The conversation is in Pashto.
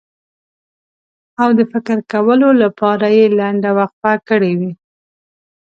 او د فکر کولو لپاره یې لنډه وقفه کړې وي.